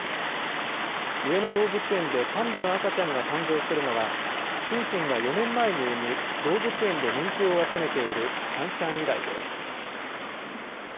上野動物園でパンダの赤ちゃんが誕生するのはシンシンが４年前に産み動物園で人気を集めているシャンシャン以来です。